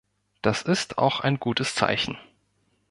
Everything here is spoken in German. Das ist auch ein gutes Zeichen.